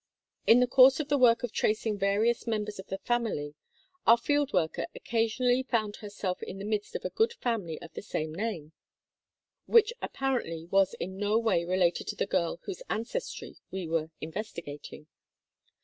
In the course of the work of tracing various members of the family, our field worker occasionally found her self in the midst of a good family of the same name, which apparently was in no way related to the girl whose ancestry we were investigating.